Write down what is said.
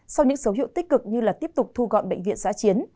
sau những dấu hiệu tích cực như là tiếp tục thu gọn bệnh viện giã chiến